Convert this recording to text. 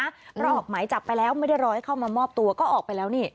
เพราะออกหมายจับไปแล้วไม่ได้รอให้เข้ามามอบตัวก็ออกไปแล้วนี่